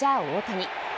大谷。